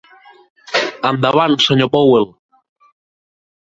Endavant, senyor Powell.